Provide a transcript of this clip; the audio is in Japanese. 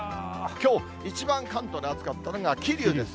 きょう一番関東で暑かったのが桐生です。